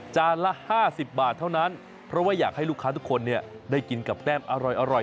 ละ๕๐บาทเท่านั้นเพราะว่าอยากให้ลูกค้าทุกคนได้กินกับแต้มอร่อย